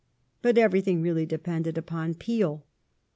But every thing really depended upon Peel.